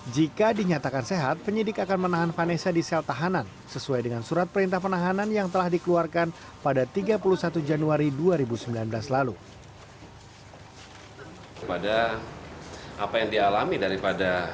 jika dinyatakan sehat penyidik akan menahan vanessa di sel tahanan sesuai dengan surat perintah penahanan yang telah dikeluarkan pada tiga polda